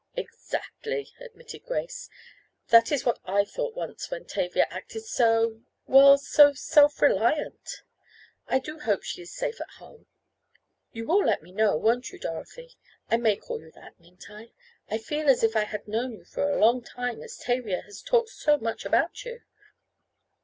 "Exactly," admitted Grace. "That is what I thought once when Tavia acted so—well so self reliant. I do hope she is safe at home. You will let me know, won't you Dorothy? I may call you that, mayn't I? I feel as if I had known you for a long time, as Tavia has talked so much about you."